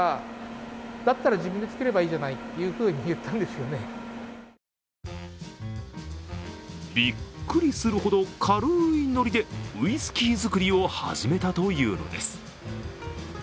するとびっくりするほど、軽いノリでウイルス造りを始めたというのです。